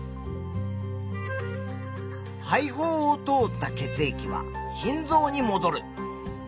肺胞を通った血液は心臓にもどる。